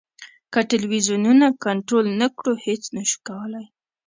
که ټلویزیونونه کنټرول نه کړو هېڅ نه شو کولای.